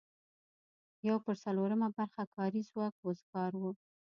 یو پر څلورمه برخه کاري ځواک وزګار و.